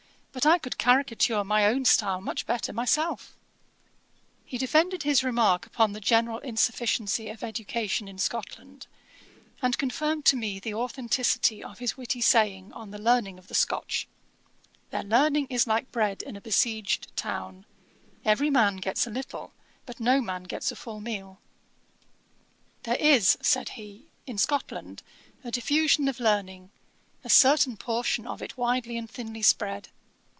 But I could caricature my own style much better myself.' He defended his remark upon the general insufficiency of education in Scotland; and confirmed to me the authenticity of his witty saying on the learning of the Scotch; 'Their learning is like bread in a besieged town: every man gets a little, but no man gets a full meal.' 'There is (said he,) in Scotland, a diffusion of learning, a certain portion of it widely and thinly spread.